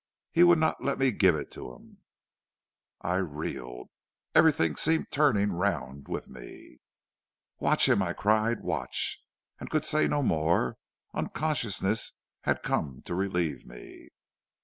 He would not let me give it to him.' "I reeled; everything seemed turning round with me. "'Watch him,' I cried, 'watch ' and could say no more. Unconsciousness had come to relieve me.